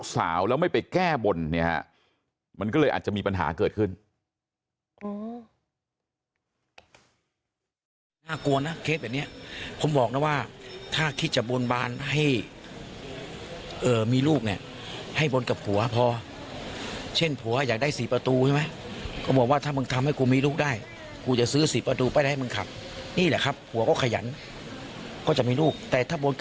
แต่บอกขอลูกชายพอได้ลูกสาวแล้วไม่ไปแก้บนมันก็เลยอาจจะมีปัญหาเกิดขึ้น